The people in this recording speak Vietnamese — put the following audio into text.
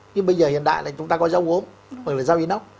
nhưng bây giờ hiện đại là chúng ta có dao gốm hoặc là dao inox